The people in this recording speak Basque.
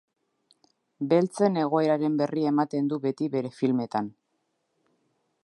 Beltzen egoeraren berri ematen du beti bere filmetan.